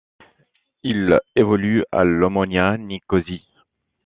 Il évolue à l'Omonia Nicosie.